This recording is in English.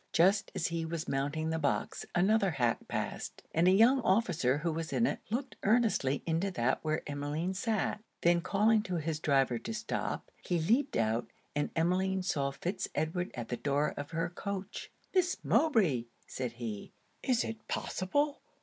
Just as he was mounting the box, another hack passed, and a young officer who was in it looked earnestly into that where Emmeline sat; then calling to his driver to stop, he leaped out, and Emmeline saw Fitz Edward at the door of her coach. 'Miss Mowbray!' said he 'Is it possible!